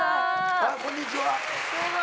こんにちは。